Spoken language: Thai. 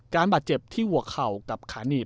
บาดเจ็บที่หัวเข่ากับขาหนีบ